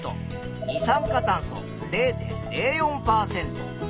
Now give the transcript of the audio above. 二酸化炭素０．０４％。